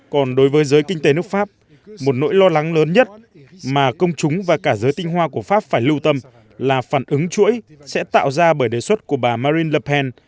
còn đối với giới kinh tế nước pháp một nỗi lo lắng lớn nhất mà công chúng và cả giới tinh hoa của pháp phải lưu tâm là phản ứng chuỗi sẽ tạo ra bởi đề xuất của bà marine le pen